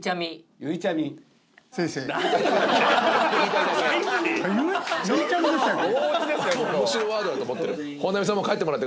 「ゆいちゃみ」「せいせい」面白ワードだと思ってる。